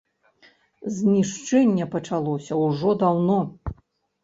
Знішчэнне пачалося ўжо даўно.